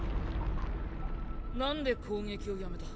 なんで攻撃をやめた？